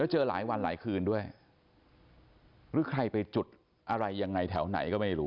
เจอหลายวันหลายคืนด้วยหรือใครไปจุดอะไรยังไงแถวไหนก็ไม่รู้